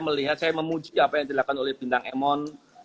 melihat saya memuji apa yang dilakukan oleh bintang emon